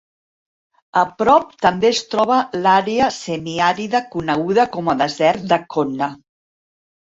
A prop també es troba l'àrea semiàrida coneguda com a Desert d'Accona.